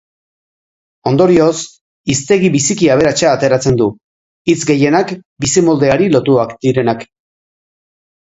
Ondorioz, hiztegi biziki aberatsa ateratzen du, hitz gehienak bizimoldeari lotuak direnak.